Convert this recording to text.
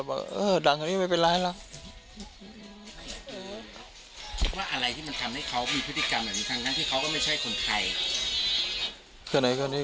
ว่าอะไรที่ทำให้เขามีพฤติกรรมน่ะอย่างทั้งที่เขาก็ไม่ใช่คนไข่